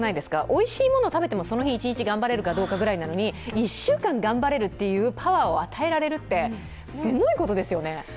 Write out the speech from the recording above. おいしいもの食べても、その日一日頑張れるかそのくらいなのに１週間頑張れるパワーを与えられるって、すごいことですよね。